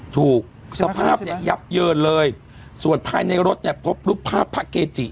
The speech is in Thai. สภาพเนี่ยยับเยินเลยส่วนภายในรถเนี่ยพบรูปภาพพระเกจิ